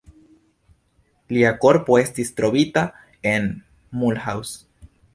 Lia korpo estis trovita en Mulhouse.